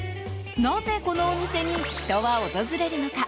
なぜこのお店に人は訪れるのか？